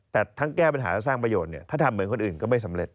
แต่ทั้งแก้ปัญหาและสร้างประโยชน์เนี่ยถ้าทำเหมือนคนอื่นก็ไม่สำเร็จ